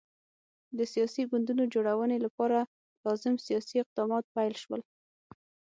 د سیاسي ګوندونو جوړونې لپاره لازم سیاسي اقدامات پیل شول.